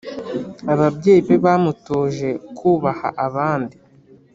ababyeyi be bamutoje kubaha abandi